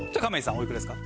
おいくらですか？